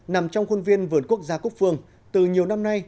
nằm trong khuôn viên vườn quốc gia cúc phương từ nhiều năm nay